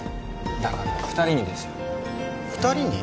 だから二人にですよ二人に？